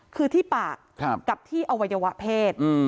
คือที่ปากกับที่อวัยวะเพศ